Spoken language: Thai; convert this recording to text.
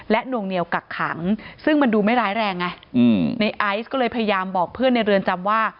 นวงเหนียวกักขังซึ่งมันดูไม่ร้ายแรงไงในไอซ์ก็เลยพยายามบอกเพื่อนในเรือนจำว่า